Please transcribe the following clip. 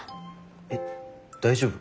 えっ大丈夫？